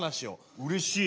うれしい。